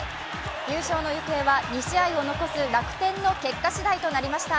優勝の行方は２試合を残す楽天の結果次第となりました。